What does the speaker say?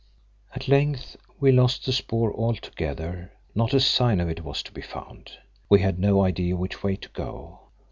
At length we lost the spoor altogether; not a sign of it was to be found. We had no idea which way to go.